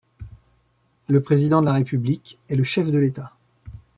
Le président de la République est le chef de l'État.